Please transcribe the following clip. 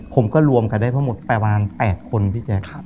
ผมก็รวมกันได้ประมาณ๘คนพี่แจ๊ก